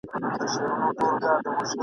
پر پردي قوت چي وکړي حسابونه !.